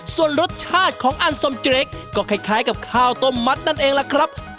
ส่วนรสชาติของอันสมเจรคก็คล้ายกับข้าวต้มมัดนั่นเองล่ะครับ